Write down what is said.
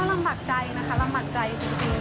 ลำบากใจนะคะลำบากใจจริง